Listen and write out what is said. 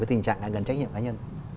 tình trạng gần trách nhiệm cá nhân